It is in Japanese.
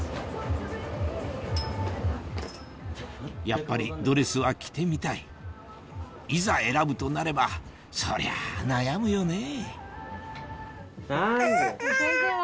やっぱりドレスは着てみたいいざ選ぶとなればそりゃ悩むよね